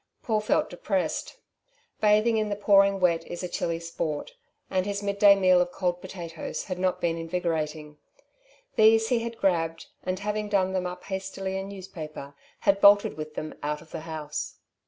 Paul felt depressed. Bathing in the pouring wet is a chilly sport, and his midday meal of cold potatoes had not been invigorating. These he had grabbed, and, having done them up hastily in newspaper, had bolted with them out of the house.